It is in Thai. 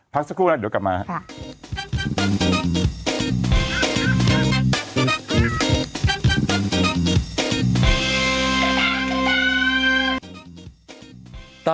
พักสักครู่แล้วเดี๋ยวกลับมาครับ